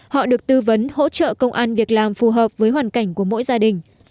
họ được tư vấn hỗ trợ công an việc làm phù hợp với hoàn cảnh của mỗi gia đình